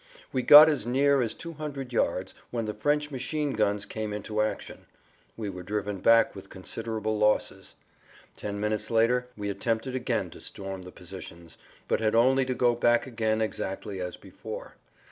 We got as near as 200 yards when the French machine guns came into action; we were driven back with considerable losses. Ten minutes later we attempted again to storm the positions, but had only to go back again exactly as before.